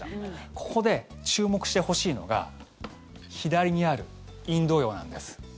ここで注目してほしいのが左にあるインド洋なんです。